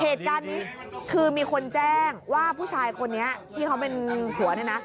เหตุการณ์นี้คือมีคนแจ้งว่าผู้ชายคนนี้ที่เขาเป็นผัวเนี่ยนะ